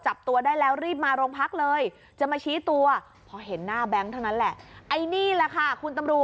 จับจับจับจับจับจับจับจับ